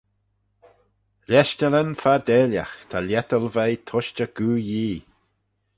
Leshtallyn fardailagh ta lhiettal veih tushtey Goo Yee.